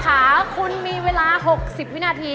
ก็เป็นได้